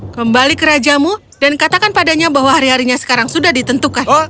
kembali ke rajamu dan katakan padanya bahwa hari harinya sekarang sudah ditentukan